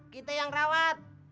kita yang rawat